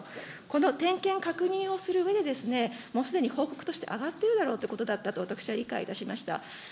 この点検確認をするうえで、もうすでに報告して上がっているだろうということだったと、私は理解いたしました。